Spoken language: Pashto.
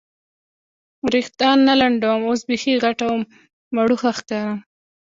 وریښتان نه لنډوم، اوس بیخي غټه او مړوښه ښکارم.